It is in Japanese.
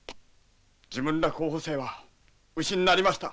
自分ら候補生は牛になりました。